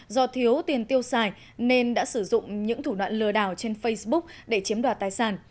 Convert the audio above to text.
do thiếu tiền tiêu xài nên đã sử dụng những thủ đoạn lừa đảo trên facebook để chiếm đoạt tài sản